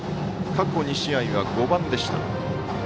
過去２試合が５番でした。